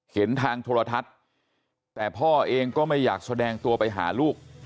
เห็นทางโทรทัศน์แต่พ่อเองก็ไม่อยากแสดงตัวไปหาลูก